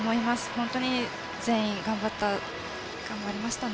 本当に全員、頑張りましたね。